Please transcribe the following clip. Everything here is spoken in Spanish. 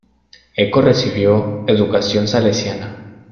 Eco recibió educación salesiana.